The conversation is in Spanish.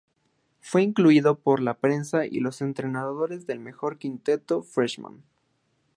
Fue incluido por la prensa y los entrenadores en el mejor quinteto freshman.